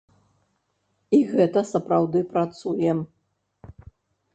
І гэта сапраўды працуе.